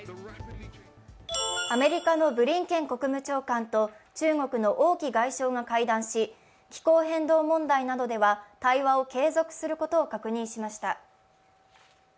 アメリカのブリンケン国務長官と中国の王毅外相が会談し、気候変動問題などでは対話を継続することを確認しました。